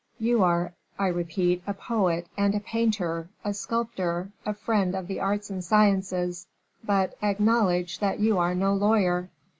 "You are, I repeat, a poet and a painter, a sculptor, a friend of the arts and sciences; but, acknowledge that you are no lawyer."